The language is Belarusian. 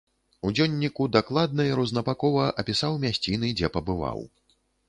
У дзённіку дакладна і рознабакова апісаў мясціны, дзе пабываў.